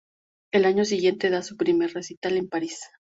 El año siguiente da su primer recital en París.